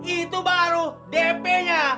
itu baru dp nya